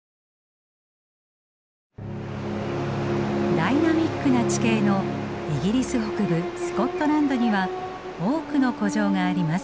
ダイナミックな地形のイギリス北部スコットランドには多くの古城があります。